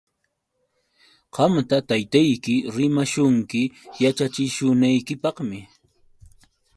Qamta taytayki rimashunki yaćhachishunaykipaqmi.